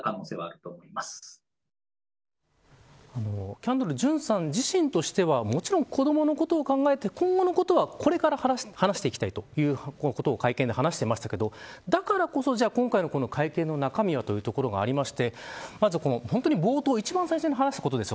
キャンドル・ジュンさん自身としてはもちろん、子どものことを考えて今後の事はこれから話していきたいということを会見で話していましたけどだからこそ今回の会見の中身はというところがあります。